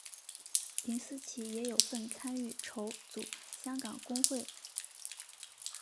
林思齐也有份参与筹组香港工业总会和香港贸易发展局。